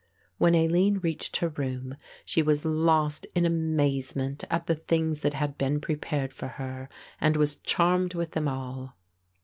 When Aline reached her room she was lost in amazement at the things that had been prepared for her and was charmed with them all.